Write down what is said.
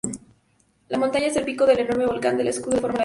La montaña es el pico del enorme volcán en escudo que forma la isla.